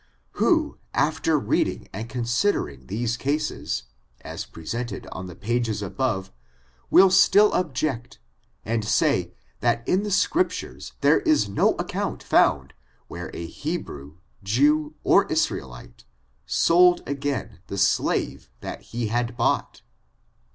Who, afler reading and considering these cases, as presented on the pages above, will still object, and say, that in the Scriptures there is no account found| where a Hebrew, Jew, or Israelite, sold again the slave that he had bought.